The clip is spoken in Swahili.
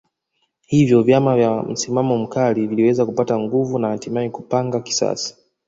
Hivyo vyama vya msimamo mkali viliweza kupata nguvu na hatimaye kupanga kisasi